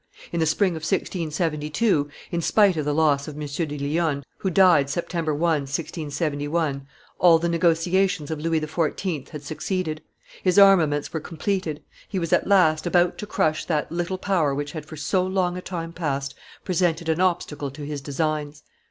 In the spring of 1672, in spite of the loss of M. de Lionne, who died September 1, 1671, all the negotiations of Louis XIV. had succeeded; his armaments were completed; he was at last about to crush that little power which had for so long a time past presented an obstacle to his designs.